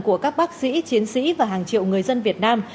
của các bác sĩ chiến sĩ và hàng triệu người dân việt nam